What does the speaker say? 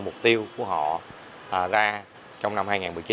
mục tiêu của họ ra trong năm hai nghìn một mươi chín